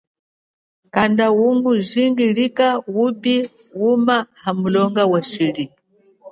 Kanda ungu jimbikila yuma hamulonga wa shili.